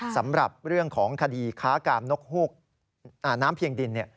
สำหรับเรื่องของคดีค้ากามนกฮูกน้ำเพียงดิน